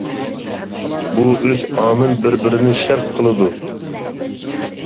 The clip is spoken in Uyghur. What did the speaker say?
بۇ ئۈچ ئامىل بىر-بىرىنى شەرت قىلىدۇ.